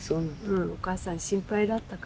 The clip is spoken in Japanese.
お母さん心配だったから。